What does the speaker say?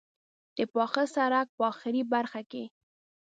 د پاخه سړک په آخري برخه کې.